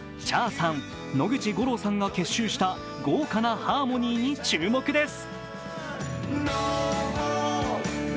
Ｃｈａｒさん、野口五郎さんが結集した豪華なハーモニーに注目です。